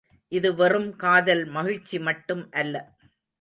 இது வெறும் காதல் மகிழ்ச்சி மட்டும் அல்ல.